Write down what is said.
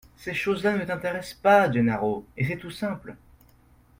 Ces choses-là ne t’intéressent pas, Gennaro, et c’est tout simple.